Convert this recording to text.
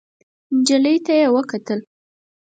نجلۍ ته يې وکتل.